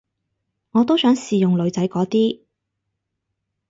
我都想試用女仔嗰啲